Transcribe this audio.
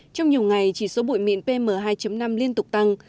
trong nhiều ngày chỉ số bụi mịn pm hai năm liên tục tăng